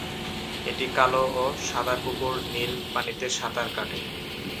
একটি কালো ও সাদা কুকুর নীল পানিতে সাঁতার কাটে।